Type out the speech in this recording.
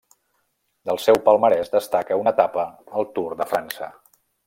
Del seu palmarès destaca una etapa al Tour de França.